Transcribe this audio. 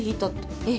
えっ！